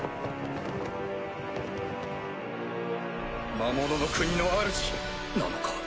魔物の国のあるじなのか？